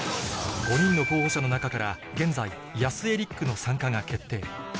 ５人の候補者の中から現在安江律久の参加が決定